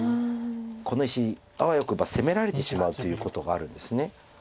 この石あわよくば攻められてしまうということがあるんです。